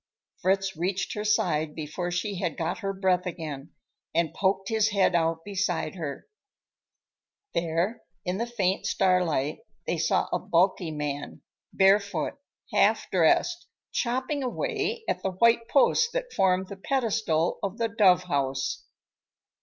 Fritz reached her side before she had got her breath again, and poked his head out beside hers. There, in the faint starlight, they saw a bulky man, barefoot, half dressed, chopping away at the white post that formed the pedestal of the dove house.